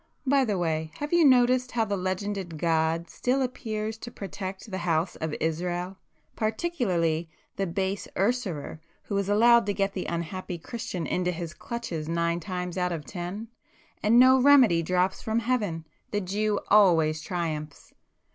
By the way, have you noticed how the legended God still appears to protect the house of Israel? Particularly the 'base usurer' who is allowed to get the unhappy Christian into his clutches nine times out of ten? And no remedy drops from heaven! The Jew always triumphs.